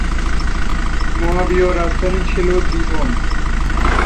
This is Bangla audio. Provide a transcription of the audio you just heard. মোয়াবীয় রাজধানী ছিল দীবোন।